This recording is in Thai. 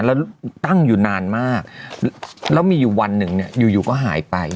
แล้วตั้งอยู่นานมากแล้วมีอยู่วันหนึ่งเนี่ยอยู่ก็หายไป